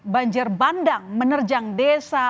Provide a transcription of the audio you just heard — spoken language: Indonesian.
banjir bandang menerjang desa